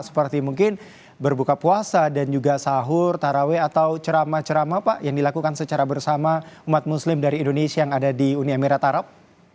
seperti mungkin berbuka puasa dan juga sahur taraweh atau ceramah ceramah pak yang dilakukan secara bersama umat muslim dari indonesia yang ada di uni emirat arab